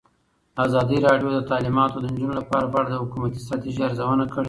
ازادي راډیو د تعلیمات د نجونو لپاره په اړه د حکومتي ستراتیژۍ ارزونه کړې.